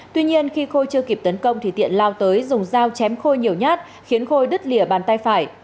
tuy nhiên khi khôi chưa kịp tấn công thì tiện lao tới dùng dao chém khôi nhiều nhát khiến khôi đứt lìa bàn tay phải